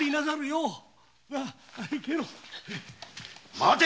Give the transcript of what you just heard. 待て！